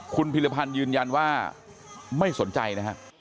คุณพิรพันธ์ยืนยันว่าไม่สนใจนะฮะ